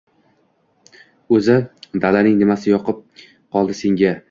O‘zi, dalaning nimasi yoqib qoldi senga?